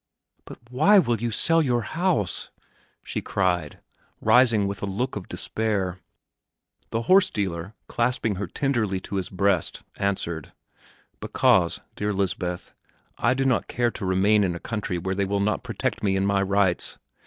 "But why will you sell your house?" she cried, rising with a look of despair. The horse dealer, clasping her tenderly to his breast, answered, "Because, dear Lisbeth, I do not care to remain in a country where they will not protect me in my rights.